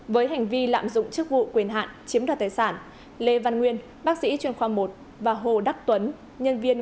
với hành vi lạm dụng chức vụ quyền hạn chiếm đoạt tài sản lê văn nguyên bác sĩ chuyên khoa một và hồ đắc tuấn